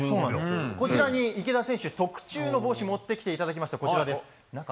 こちらに池田選手特注の帽子を持ってきていただきました。